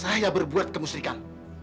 saya berbuat kemusrikan